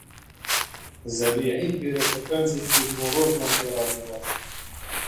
زەبیحی فێرە شەترەنجی کردم و ڕۆژمان پێ ڕادەبوارد